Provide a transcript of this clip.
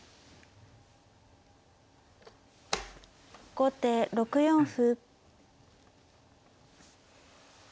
後手６四歩。